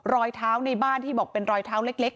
รอยเท้าในบ้านที่บอกเป็นรอยเท้าเล็ก